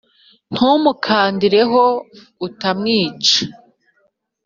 ntumukandire ho utamwica